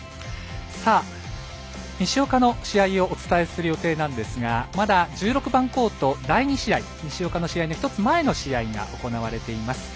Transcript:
西岡の試合をお伝えする予定なんですがまだ、１６番コート、第２試合西岡の試合の１つ前の試合が行われています。